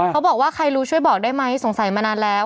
เขาบอกว่าใครรู้ช่วยบอกได้ไหมสงสัยมานานแล้ว